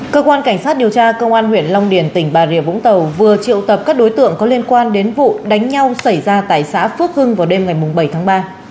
cơ quan cảnh sát điều tra công an huyện long điền tỉnh bà rịa vũng tàu vừa triệu tập các đối tượng có liên quan đến vụ đánh nhau xảy ra tại xã phước hưng vào đêm ngày bảy tháng ba